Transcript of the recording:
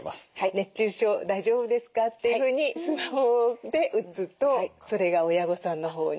「熱中症大丈夫ですか？」っていうふうにスマホで打つとそれが親御さんのほうに。